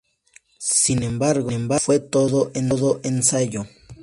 Sin embargo, fue todo ensayo.